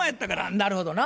なるほどな。